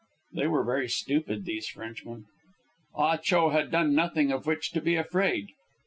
They were very stupid, these Frenchmen. Ah Cho had done nothing of which to be afraid.